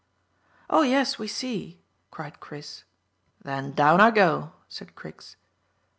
"Oh yes, we see," cried Chris. "Then down I go," said Griggs.